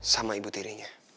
sama ibu tirinya